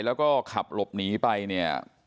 แล้วก็ขับหลบหนีไปเนี่ย